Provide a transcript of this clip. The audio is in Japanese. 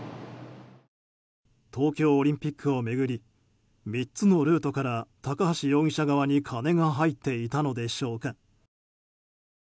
東京オリンピックを巡り３つのルートから高橋容疑者側に金が入っていたのでしょうか。